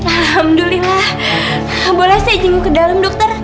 alhamdulillah boleh saya izin ke dalam dokter